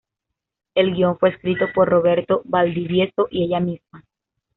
El guión fue escrito por Roberto Valdivieso y ella misma.